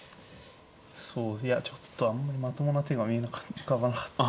そういやちょっとあんまりまともな手が見えなかった浮かばなかった。